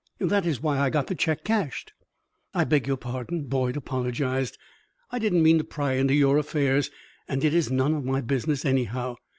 That is why I got the check cashed." "I beg your pardon," Boyd apologized; "I didn't mean to pry into your affairs, and it is none of my business, anyhow.